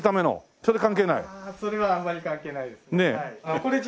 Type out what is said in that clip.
それはあんまり関係ないです。